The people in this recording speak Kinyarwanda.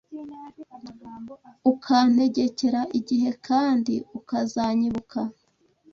Ukantegekera igihe kandi ukazanyibuka.